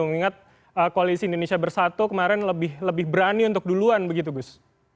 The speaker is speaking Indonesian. mengingat koalisi indonesia bersatu kemarin lebih berani untuk duluan begitu gus